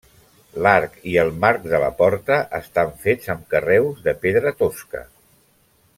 L’arc i el marc de la porta estan fets amb carreus de pedra tosca.